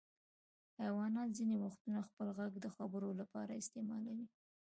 حیوانات ځینې وختونه خپل غږ د خبرو لپاره استعمالوي.